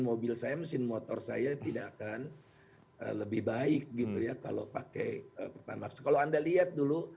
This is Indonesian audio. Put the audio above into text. mobil saya mesin motor saya tidak akan lebih baik gitu ya kalau pakai pertamax kalau anda lihat dulu